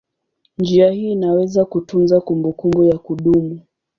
Njia hii inaweza kutunza kumbukumbu ya kudumu.